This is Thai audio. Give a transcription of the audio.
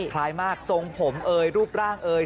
คล้ายมากทรงผมเอ่ยรูปร่างเอ่ย